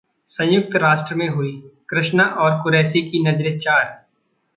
संयुक्त राष्ट्र में हुईं कृष्णा और कुरैशी की नजरें चार